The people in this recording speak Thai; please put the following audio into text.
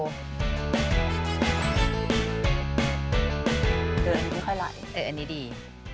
เดือนไม่ค่อยไหลเอออันนี้ดี